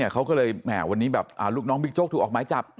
เขาก็เลยแหมวันนี้แบบลูกน้องบิ๊กโจ๊กถูกออกหมายจับ